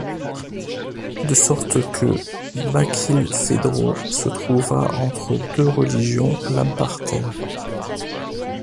De sorte que Barkilphedro se trouva entre deux religions l’âme par terre.